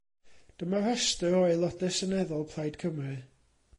Dyma restr o Aelodau Seneddol Plaid Cymru.